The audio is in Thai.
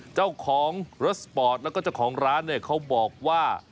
เจ้าของรถสปอร์ตกับเจ้าของร้านเขาบอกว่า